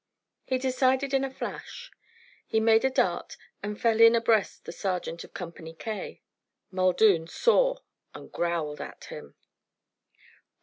He decided in a flash. He made a dart and fell in abreast the sergeant of Company K. Muldoon saw and growled at him.